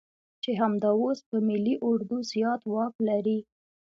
چې همدا اوس په ملي اردو زيات واک لري.